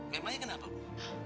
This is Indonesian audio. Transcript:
memangnya kenapa bu